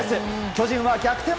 巨人は逆転